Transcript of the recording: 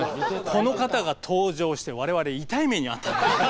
この方が登場して我々痛い目に遭った。